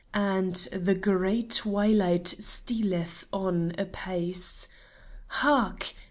And the gray twilight stealeth on apace. Hark